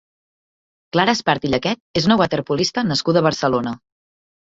Clara Espar i Llaquet és una waterpolista nascuda a Barcelona.